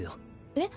えっ？